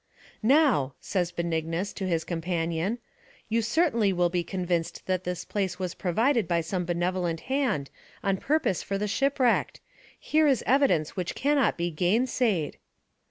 " Now," says Benignus to his com panion, "you certainly will be convinced that this place was provided by some benevolent hand on purpose for the shipwrecked. Here is evidence whicn cannot be gainsaid."